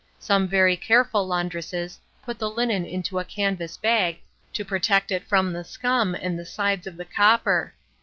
Some very careful laundresses put the linen into a canvas bag to protect it from the scum and the sides of the copper.